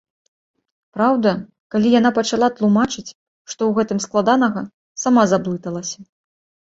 Праўда, калі яна пачала тлумачыць, што ў гэтым складанага, сама заблыталася.